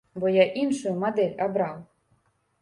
Бо я іншую мадэль абраў.